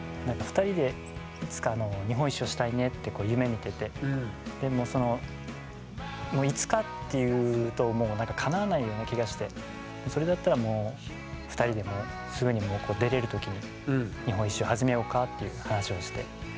２人でいつか日本一周をしたいねって夢みててでもそのいつかって言うともうなんかかなわないような気がしてそれだったらもう２人ですぐに出れる時に日本一周始めようかっていう話をして。